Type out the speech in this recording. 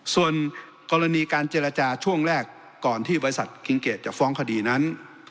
ส่วนกรณีการเจรจาช่วงแรกก่อนที่บริษัทคิงเกดจะฟ้องคดีนั้น